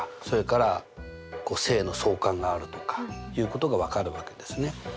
それから正の相関があるとかいうことが分かるわけですね。